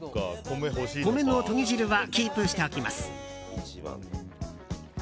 米のとぎ汁はキープしておきます。